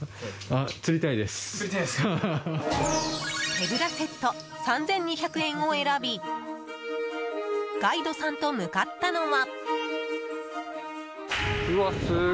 手ぶらセット３２００円を選びガイドさんと向かったのは。